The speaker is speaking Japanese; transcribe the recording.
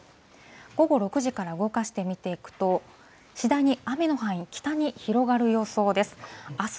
午後６時から動かして見ていくと、次第に雨の範囲、北に広がる予想です。